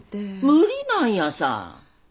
無理なんやさ。